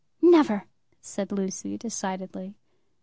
"Never," said Lucy decidedly.